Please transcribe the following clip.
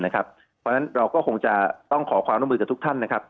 เพราะฉะนั้นเราก็คงจะต้องขอความร่วมมือกับทุกท่านนะครับ